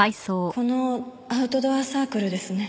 このアウトドアサークルですね。